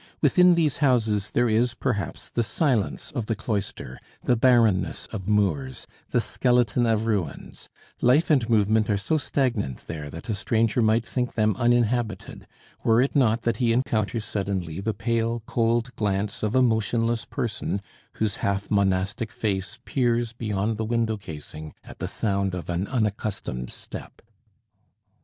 Within these houses there is, perhaps, the silence of the cloister, the barrenness of moors, the skeleton of ruins; life and movement are so stagnant there that a stranger might think them uninhabited, were it not that he encounters suddenly the pale, cold glance of a motionless person, whose half monastic face peers beyond the window casing at the sound of an unaccustomed step.